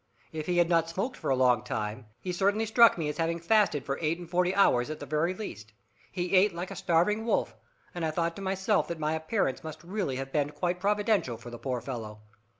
If he had not smoked for a long time, he certainly struck me as having fasted for eight and forty hours at the very least. He ate like a starving wolf, and I thought to myself that my appearance must really have been quite providential for the poor fellow.